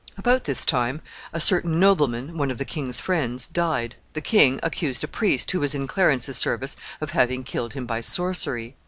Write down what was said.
About this time a certain nobleman, one of the king's friends, died. The king accused a priest, who was in Clarence's service, of having killed him by sorcery.